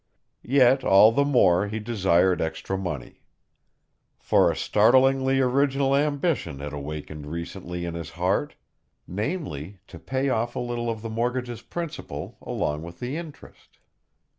Yet, all the more, he desired extra money. For a startlingly original ambition had awakened recently in his heart namely, to pay off a little of the mortgage's principal along with the interest.